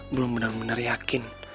belum benar benar yakin